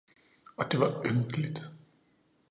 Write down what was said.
Og det var ynkeligt